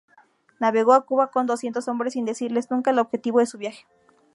Navegó a Cuba con doscientos hombres, sin decirles nunca el objetivo de su viaje.